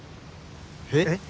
えっ！？